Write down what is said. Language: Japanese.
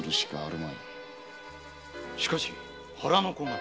しかし腹の子が。